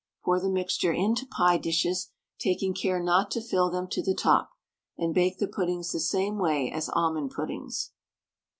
Pour the mixture into pie dishes, taking care not to fill them to the top, and bake the puddings the same way as almond puddings.